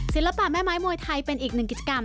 ศิลปะแม่ไม้มวยไทยเป็นอีกหนึ่งกิจกรรม